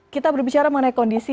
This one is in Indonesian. kita berbicara mengenai kondisi